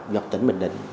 dọc tỉnh bình định